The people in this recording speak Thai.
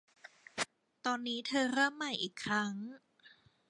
ตอนนี้เธอเริ่มใหม่อีกครั้ง